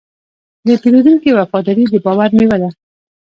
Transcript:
د پیرودونکي وفاداري د باور میوه ده.